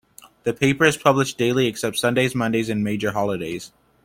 The paper is published daily except Sundays, Mondays and major holidays.